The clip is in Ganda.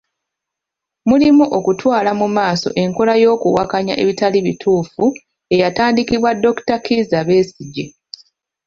Mulimu okutwala mu maaso enkola y'okuwakanya ebitali bituffu eyatandikibwa Dokita Kizza Besigye.